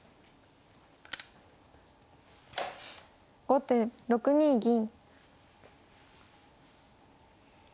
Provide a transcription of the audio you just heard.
後手６二銀。